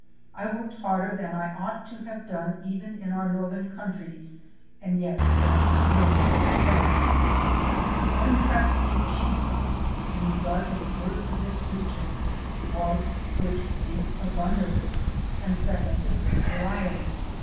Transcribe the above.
I worked harder than I ought to have done even in our northern countries and yet felt no ill effects. What impressed me chiefly in regard to the birds of this region was, first the abundance, and second, the great variety.